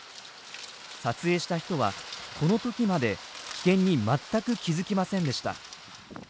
撮影した人はこのときまで危険に全く気付きませんでした。